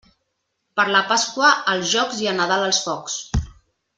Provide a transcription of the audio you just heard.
Per la Pasqua els jocs i a Nadal els focs.